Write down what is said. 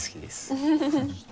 フフフフ。